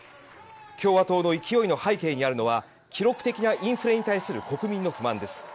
共和党の勢いの背景にあるのは記録的なインフレに対する国民の不満です。